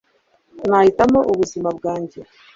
nahitamo ubuzima bwanjye